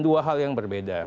dua hal yang berbeda